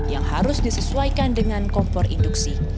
yang harus disesuaikan dengan kompor induksi